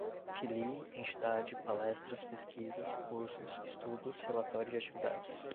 Filie, entidade, palestras, pesquisas, cursos, estudos, relatório de atividades